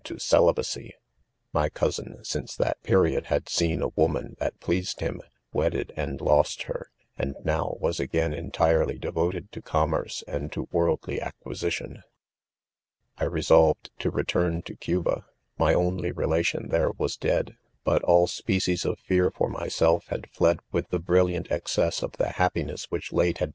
to celibacy T ! 'My eo sin, iince that period,' had seen a woman that pleased him, Wedded; and lost her, and now, 'was again entirely devoted to commerce' arid : to worldly acquisition. '■I' resolved' to return to : €aba j my only re ' latum' there, was dead j but all sgecies of "fear for myself had fed with the brilliant ;exce : ss of th e happin ess which ' late :: had?